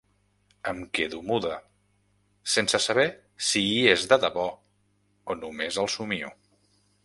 Em quedo muda, sense saber si hi és de debò o només el somio.